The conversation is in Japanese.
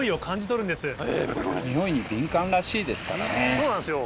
そうなんですよ。